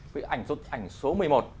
cái ảnh số một mươi một